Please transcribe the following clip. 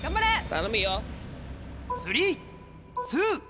頼むよ。